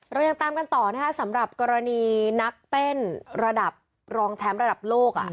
เรายังตามกันต่อนะคะสำหรับกรณีนักเต้นระดับรองแชมป์ระดับโลก